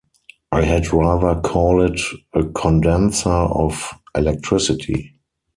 I had rather call it a condenser of electricity.